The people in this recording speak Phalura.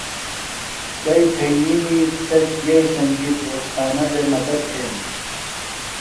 چئی تھئینیمی سےۡ یئی سنگیۡ بورچی خانہ بےۡ مدت تھینِم۔